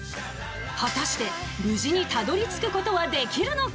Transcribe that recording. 果たして、無事にたどり着くことはできるのか？